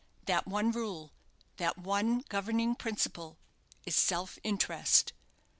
That one rule, that one governing principle, is SELF INTEREST.